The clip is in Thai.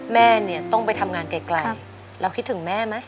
แม่เนี่ยต้องไปทำงานไกลเราคิดถึงแม่ไหม